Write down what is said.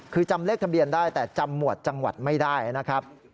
คือจำเลขทะเบียนได้แต่จำหมวดจังหวัดไม่ได้นะครับ